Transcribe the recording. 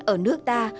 ở nước ta